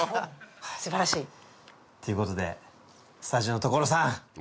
素晴らしい。っていうことでスタジオの所さん。